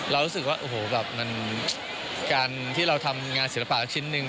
เรารู้สึกว่าการที่เราทำงานศิลปะชิ้นหนึ่ง